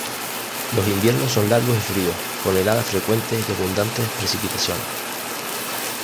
Los inviernos son largos y fríos, con heladas frecuentes y abundantes precipitaciones.